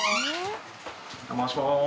お邪魔します。